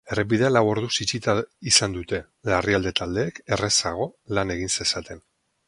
Errepidea lau orduz itxita izan dute, larrialde taldeek errazago lan egin zezaten.